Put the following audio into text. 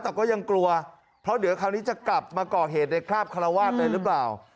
แต่ก็ยังกลัวเพราะเดี๋ยวคราวนี้จะกลับมาก่อเหตุในคราบคาราวาสเลยหรือเปล่า